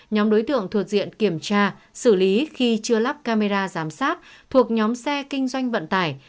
nhóm đối tượng thuộc diện kiểm tra xử lý khi chưa lắp camera giám sát thuộc nhóm xe kinh doanh vận tải